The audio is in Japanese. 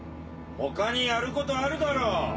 他にやることあるだろ！